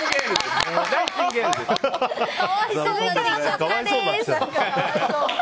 続いては、こちらです。